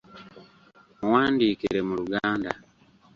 Muwandiikire mu Luganda.